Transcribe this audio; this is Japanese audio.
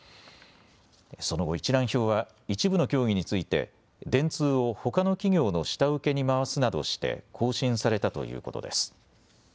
その後、一覧表は一部の競技について電通をほかの企業の下請けに回すなどして更新されたということです。